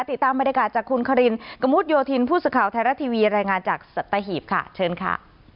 ติดตามบรรยากาศจากคุณคารินกระมุดโยธินผู้สื่อข่าวไทยรัฐทีวีรายงานจากสัตหีบค่ะเชิญค่ะ